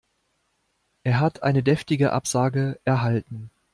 Er hat eine deftige Absage erhalten.